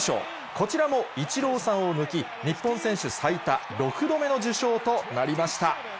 こちらもイチローさんを抜き、日本選手最多６度目の受賞となりました。